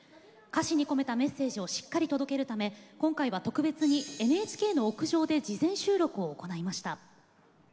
歌詞に込めたメッセージをしっかり届けるため今回は特別に、ＮＨＫの屋上で事前収録を行いました。